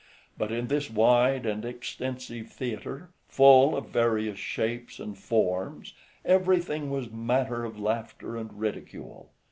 But in this wide and extensive theatre, full of various shapes and forms, everything was matter of laughter and ridicule.